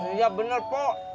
iya bener pok